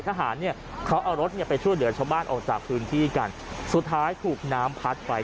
ทหารเนี่ยเขาเอารถเนี่ยไปช่วยเหลือชาวบ้านออกจากพื้นที่กันสุดท้ายถูกน้ำพัดไป